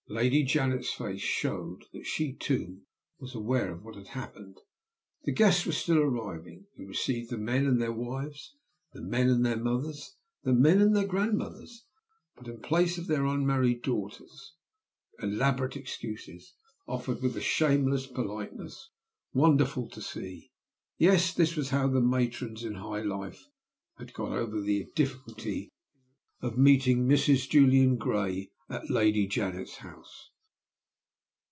Lady Janet's face showed that she, too, was aware of what had happened. The guests were still arriving. We received the men and their wives, the men and their mothers, the men and their grandmothers but, in place of their unmarried daughters, elaborate excuses, offered with a shameless politeness wonderful to see. Yes! This was how the matrons in high life had got over the difficulty of meeting Mrs. Julian Gray at Lady Janet's house.